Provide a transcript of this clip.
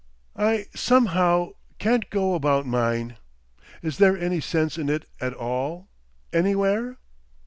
I somehow—can't go about mine. Is there any sense in it at all—anywhere?"